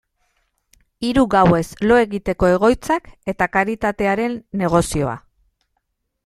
Hiru gauez lo egiteko egoitzak eta karitatearen negozioa.